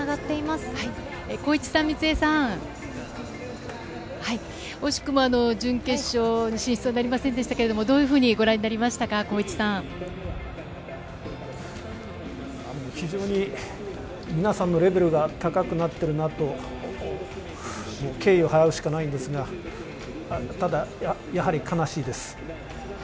浩一さん、美津恵さん、惜しくも準決勝進出はなりませんでしたけども、どういうふうにご覧になり非常に皆さんのレベルが高くなっているなと敬意を払うしかないんですがただやはり悲しいです。